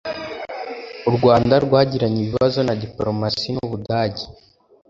uRwanda rwagiranye ibibazo na dipolomasi n'Ubudage